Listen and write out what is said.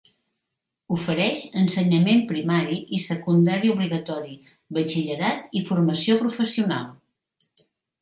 Ofereix ensenyament primari i secundari obligatori, batxillerat i formació professional.